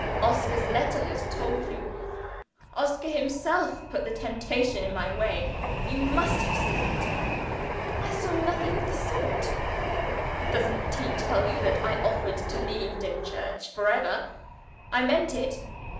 "Oscar's letter has told you: Oscar himself put the temptation in my way. You must have seen it." "I saw nothing of the sort." "Doesn't he tell you that I offered to leave Dimchurch for ever? I meant it.